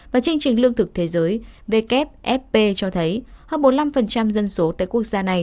và chương trình lương thực thế giới wfp cho thấy hơn bốn mươi năm dân số tại quốc gia này